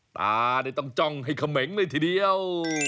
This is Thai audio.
ตาได้ต้องจองให้เข้าเหม็งหน่อยทีเดียว